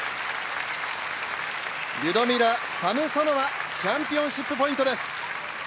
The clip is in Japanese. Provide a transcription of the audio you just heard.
リュドミラ・サムソノワ、チャンピオンシップポイントです